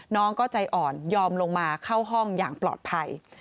น้องก็ใจอ่อนยอมลงมาเข้าห้องอย่างปลอดภัย